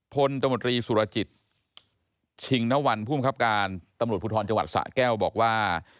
ตมตรีสุรจิตชิงนวรรณภูมิครับการตำรวจภูทรจังหวัดสะแก้วบอกว่า